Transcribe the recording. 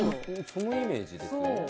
そのイメージですよね。